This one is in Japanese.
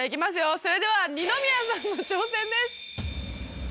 それでは二宮さんの挑戦です。